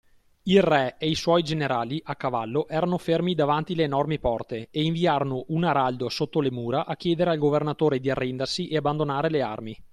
Il Re e i suoi generali, a cavallo, erano fermi davanti le enormi porte, e inviarono un araldo sotto le mura, a chiedere al governatore di arrendersi e abbandonare le armi.